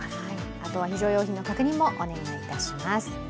あとは非常用品の確認もお願いいたします。